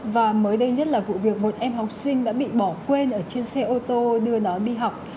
và mới đây nhất là vụ việc một em học sinh đã bị bỏ quên ở trên xe ô tô đưa nó đi học